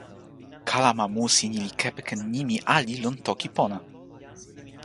kalama musi ni li kepeken nimi ali lon toki pona!